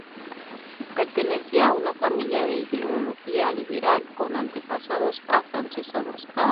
Pertenecía a una familia de ideología liberal, con antepasados afrancesados.